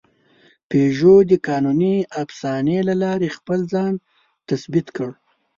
پيژو د قانوني افسانې له لارې خپل ځان تثبیت کړ.